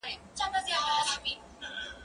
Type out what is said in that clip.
زه مخکي درسونه لوستي وو!.